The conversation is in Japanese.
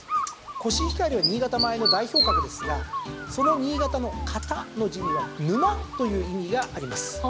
コシヒカリは新潟米の代表格ですがその新潟の「潟」の字には沼という意味があります。